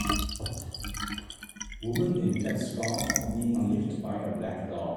Woman in black scarf being licked by a black dog.